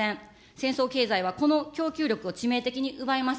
戦争経済はこの供給力を致命的に奪います。